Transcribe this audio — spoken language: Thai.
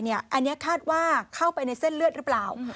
อันนี้คาดว่าเข้าไปในเส้นเลือดหรือเปล่า